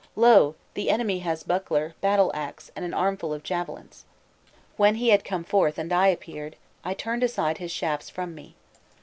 Lo! the enemy has buckler, battle axe, and an armful of javelins.' When he had come forth and I appeared, I turned aside his shafts from me.